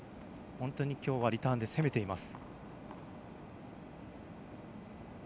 本当にきょうはリターンで攻めています。